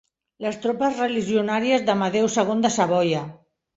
Les tropes religionàries d'Amadeu segon de Savoia.